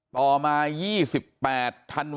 ต่อมา๒๘ธนาคม